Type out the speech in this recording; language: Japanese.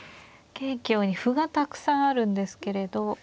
はい桂香に歩がたくさんあるんですけれど。